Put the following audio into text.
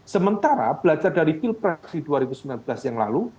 sementara belajar dari pilpres di dua ribu sembilan belas yang lalu